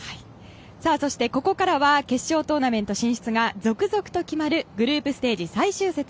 そしてここからは決勝トーナメント進出が続々と決まるグループステージ最終節。